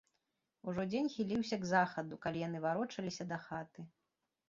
Ужо дзень хіліўся к захаду, калі яны варочаліся да хаты.